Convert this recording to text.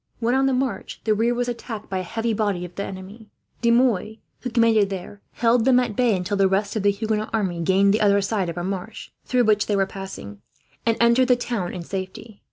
When on the march, the rear was attacked by a heavy body of the enemy. De Mouy, who commanded there, held them at bay until the rest of the Huguenot army gained the other side of a marsh, through which they were passing, and entered the town in safety.